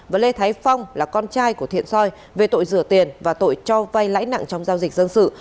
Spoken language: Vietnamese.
và lê thái phong là con trai của thiện soi về tội rửa tiền và tội cho vay lãi nặng trong giao dịch dân sự